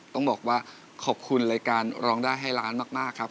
ต้องบอกว่าขอบคุณรายการร้องได้ให้ล้านมากครับ